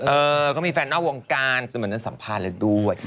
เออก็มีแฟนนอกวงการคือเหมือนนั้นสัมภาษณ์แล้วด้วย